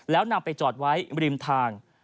แล้วนำไปจอดไว้ริมทาง